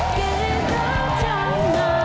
เกมรับท่านน้ำ